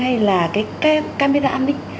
hay là camera an ninh